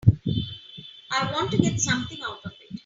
I want to get something out of it.